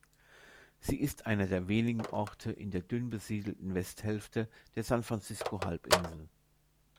Sie ist einer der wenigen Orte in der dünn besiedelten Westhälfte der San-Francisco-Halbinsel.